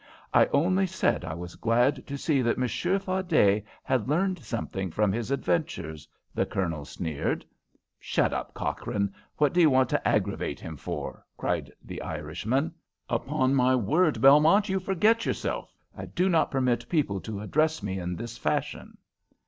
"I only said I was glad to see that Monsieur Fardet had learned something from his adventures," the Colonel sneered. "Shut up, Cochrane! What do you want to aggravate him for?" cried the Irishman. "Upon my word, Belmont, you forget yourself! I do not permit people to address me in this fashion."